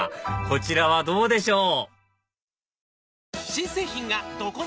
こちらはどうでしょう？